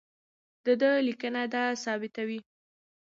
د ده لیکنې دا ثابتوي.